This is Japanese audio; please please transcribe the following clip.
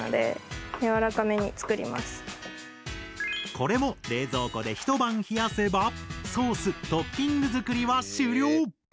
これも冷蔵庫でひと晩冷やせばソース・トッピング作りは終了！